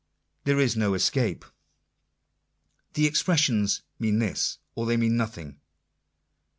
There is no escape. The expressions mean this, or they mean nothing.